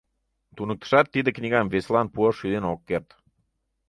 Туныктышат тиде книгам весылан пуаш шӱден ок керт.